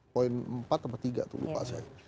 poin empat tiga tuh lupa saya